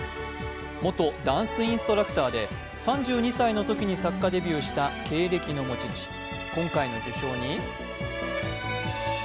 元ダンスインストラクターで、３２歳のときに作家デビューした経歴の持ち主。